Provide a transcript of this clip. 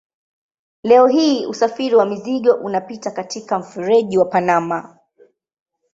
Leo hii usafiri wa mizigo unapita katika mfereji wa Panama.